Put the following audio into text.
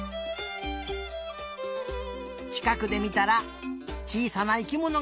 ちかくでみたらちいさな生きものがみつかったね！